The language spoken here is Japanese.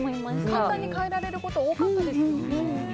簡単に変えられることが多かったですね。